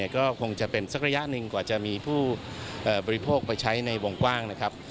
ก็คงจะเป็นสักระยะหนึ่งกว่าจะมีผู้บริโภคไปใช้ในวงกว้างนะครับ